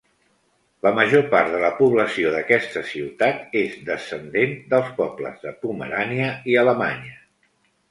La major part de la població d'aquesta ciutat és descendent dels pobles de Pomerània i Alemanya.